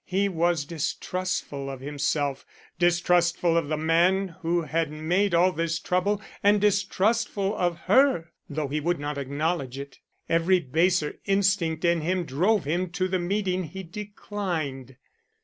He was distrustful of himself, distrustful of the man who had made all this trouble, and distrustful of her, though he would not acknowledge it. Every baser instinct in him drove him to the meeting he declined.